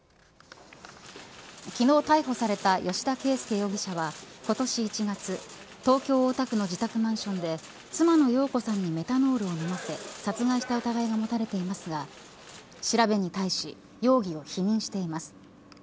昨日逮捕された吉田佳右容疑者は今年１月東京・大田区の自宅マンションで妻の容子さんにメタノールを飲ませ殺害した疑いが持たれていますが調べに対し容疑を否認しています。